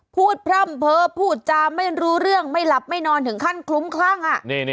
พร่ำเพ้อพูดจาไม่รู้เรื่องไม่หลับไม่นอนถึงขั้นคลุ้มคลั่ง